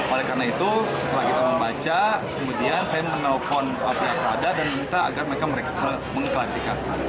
oleh karena itu setelah kita membaca kemudian saya menelpon apel apel ada dan minta agar mereka mengklartikas